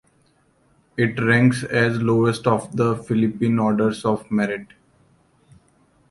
It ranks as lowest of the Philippine orders of merit.